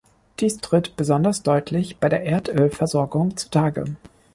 Dies tritt besonders deutlich bei der Erdölversorgung zu Tage.